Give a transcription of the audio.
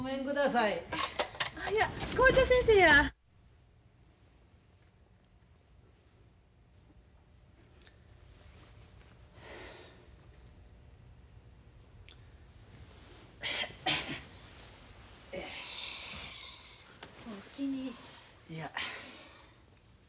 いや。